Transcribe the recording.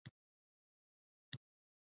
د بدخشان په شهدا کې د څه شي نښې دي؟